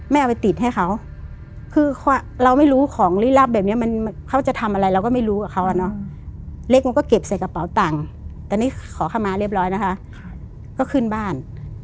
แม่เอาไปติดให้เขาคือเราไม่รู้ของลิลับแบบนี้มัน